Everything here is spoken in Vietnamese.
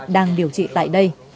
đang điều trị tại đây